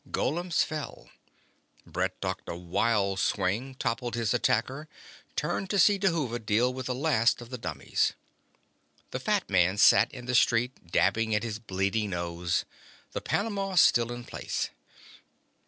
Golems fell. Brett ducked a wild swing, toppled his attacker, turned to see Dhuva deal with the last of the dummies. The fat man sat in the street, dabbing at his bleeding nose, the panama still in place.